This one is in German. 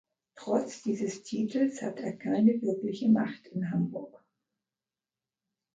Trotz dieses Titels hatte er keine wirkliche Macht in Hamburg.